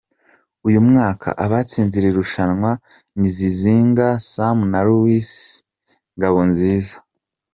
Uyu mwaka abatsinze iri rushanwa ni Zizinga Sam na Louis Ngabonziza.